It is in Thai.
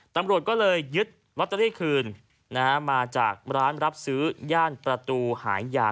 ตำรวจก็เลยยึดลอตเตอรี่คืนมาจากร้านรับซื้อย่านประตูหายา